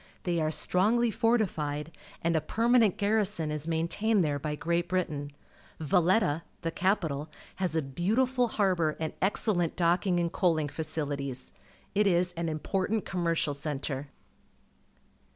They are st rongly fortified , and a permanent garrison is maintained there by Great Britain. Valc tja. the cap ital, has a beautiful harbour and excellent docking and coaling facilities. It is an important commercial centre.